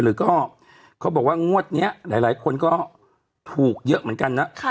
หรือก็เขาบอกว่างวดนี้หลายคนก็ถูกเยอะเหมือนกันนะ